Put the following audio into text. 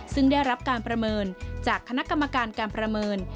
ซึ่งได้รับการประเมินจากคณะกรรมการการประเมิน